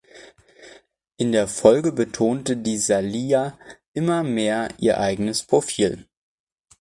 In der Folge betonte die Salia immer mehr ihr eigenes Profil.